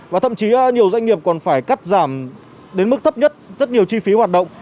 và thậm chí nhiều doanh nghiệp còn phải cắt giảm đến mức thấp nhất rất nhiều chi phí hoạt động